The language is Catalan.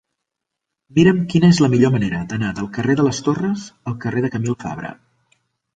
Mira'm quina és la millor manera d'anar del carrer de les Torres al carrer de Camil Fabra.